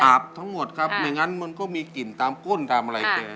ทั้งหมดครับไม่งั้นมันก็มีกลิ่นตามก้นตามอะไรแก